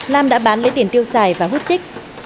nam đã bán lấy tiền tiêu xài và hút trích